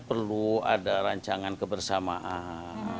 perlu ada rancangan kebersamaan